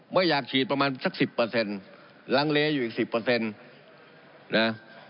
ไม่อยากฉีดประมาณสักสิบเปอร์เซ็นต์รังเลอยู่อีกสิบเปอร์เซ็นต์นะ